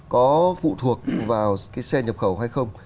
có phụ thuộc vào cái xe nhập khẩu hay không